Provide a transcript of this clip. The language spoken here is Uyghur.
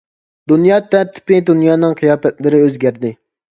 دۇنيا تەرتىپى، دۇنيانىڭ قىياپەتلىرى ئۆزگەردى .